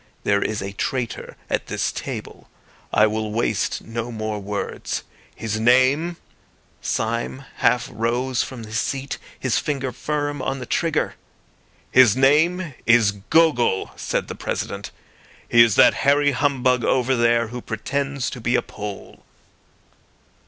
There is a traitor at this table. I will waste no more words. His name—" Syme half rose from his seat, his finger firm on the trigger. "His name is Gogol," said the President. "He is that hairy humbug over there who pretends to be a Pole."